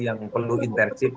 yang perlu intensif